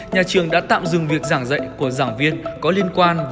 nhà trường đã tạm dừng việc giảng dạy của giảng viên có liên quan và ra soát